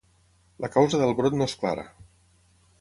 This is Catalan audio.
La causa del brot no és clara.